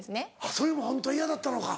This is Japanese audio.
それもホントは嫌だったのか。